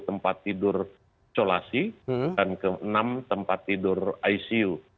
tempat tidur isolasi dan enam tempat tidur icu